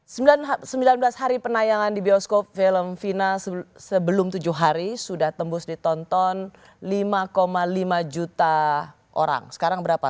sembilan belas hari penayangan di bioskop film final sebelum tujuh hari sudah tembus ditonton lima lima juta orang sekarang berapa